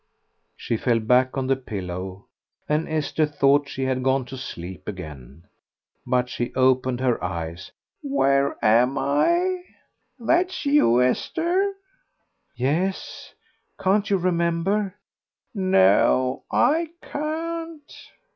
She fell back on the pillow, and Esther thought she had gone to sleep again. But she opened her eyes. "Where am I? ...That's you, Esther?" "Yes. Can't you remember?" "No, I can't.